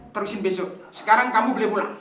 terusin besok sekarang kamu boleh boleh